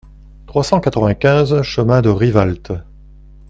trois cent quatre-vingt-quinze chemin de Rivaltes